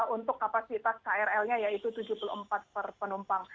untuk kapasitas krl nya yaitu tujuh puluh empat per penumpang